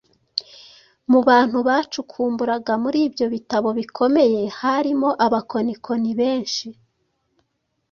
Mu bantu bacukumburaga muri ibyo bitabo bikomeye harimo abakonikoni benshi